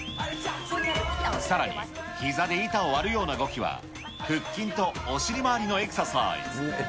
さらに、ひざで板を割るような動きは、腹筋とお尻回りのエクササイズ。